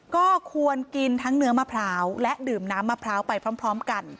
ก็ควรกินทั้งเนื้อมะพร้าวและดื่มน้ำมะพร้าวไปพร้อมกัน